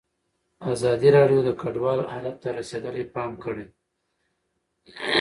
ازادي راډیو د کډوال حالت ته رسېدلي پام کړی.